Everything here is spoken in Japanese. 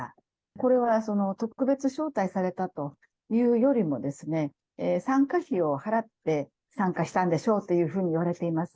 これは特別招待されたというよりも、参加費を払って参加したんでしょうというふうにいわれています。